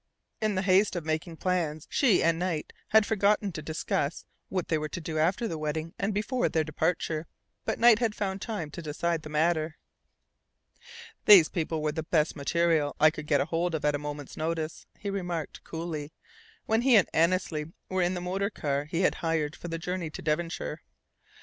In the haste of making plans, she and Knight had forgotten to discuss what they were to do after the wedding and before their departure; but Knight had found time to decide the matter. "These people were the best material I could get hold of at a moment's notice," he remarked, coolly, when he and Annesley were in the motor car he had hired for the journey to Devonshire.